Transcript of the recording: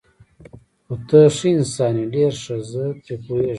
خو ته ښه انسان یې، ډېر ښه، زه پرې پوهېږم.